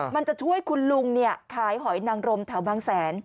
มันจะช่วยคุณลุงขายหอยนังรมแถวบางแสน